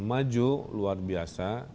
maju luar biasa